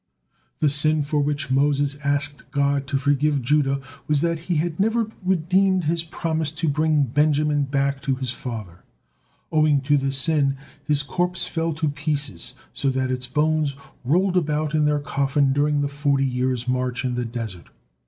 The sin for which Moses asked God to forgive Judah was that he had never redeemed his promise to bring Benjamin back to his father. Owing to this sin, his corpse fell to pieces, so that its bones rolled about in their coffin during the forty years' march in the desert.